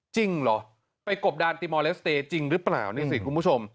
จริงเหรอไปกบดานติมอเลสเตย์จริงหรือเปล่านี่สิคุณผู้ชม